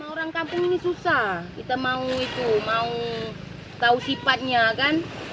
orang kampung ini susah kita mau tahu sifatnya kan